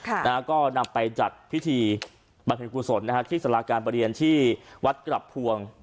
ค่ะนะฮะก็นำไปจัดพิธีบัรพยากรุณสรควรอาทิสราการบริเรียนที่วัดกลับพวง